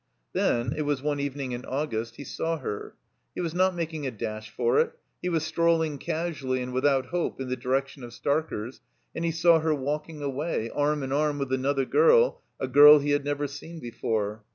Then (it was one evening in August) he saw her. He was not making a dash for it; he was strolling casually and without hope in the direction of Stark er's, and he saw her walking away, arm in arm with another girl, a girl he had never seen before.